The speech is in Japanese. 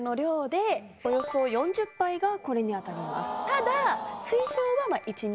ただ。